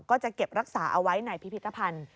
ก็จะเก็บรักษาเอาไว้ในพิพิธภัณฑ์